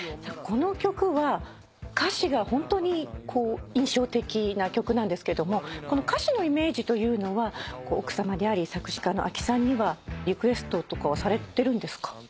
この曲は歌詞がホントに印象的な曲なんですけども歌詞のイメージというのは奥さまであり作詞家の阿木さんにはリクエストとかはされてるんですか？